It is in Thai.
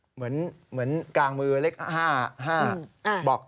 เหมือนกลางมือเล็ก๕